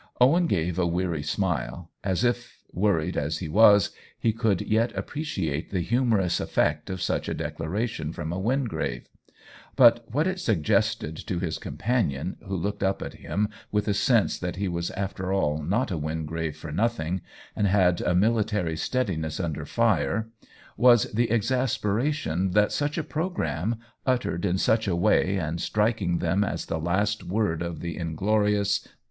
Owen gave a weary smile, as if, worried as he was, he could yet appreciate the hu morous effect of such a declaration from a Wingrave ; but what it suggested to his companion, who looked up "at him with a sense that he was after all not a Wingrave for nothing, and had a military steadiness under fire, was the exasperation that such a programme, uttered in such a way and strik ing them a^ the last word of the inglorious.